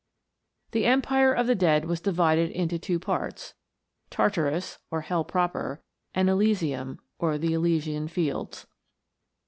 The empire of the dead was divided into two parts Tartarus, or hell proper, and Elysium, or the Elysean fields.